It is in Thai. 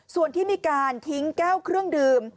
ส่วนที่มีการทิ้งแก้วเครื่องดื่ม